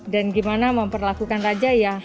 dan gimana memperlakukan raja ya